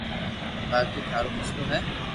باقي ٿارو مسلئ ھي